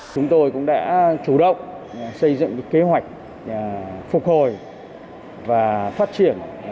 chúng tôi cũng đã chủ động xây dựng kế hoạch phục hồi và phát triển